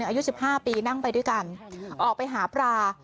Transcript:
อายุ๑๕ปีนั่งไปด้วยกันออกไปหาปลา